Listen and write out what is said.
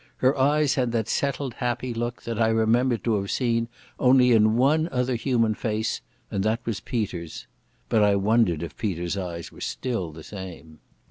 Her eyes had that settled happy look that I remembered to have seen only in one other human face, and that was Peter's.... But I wondered if Peter's eyes were still the same.